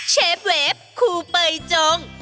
เชฟเวฟคูเปยจง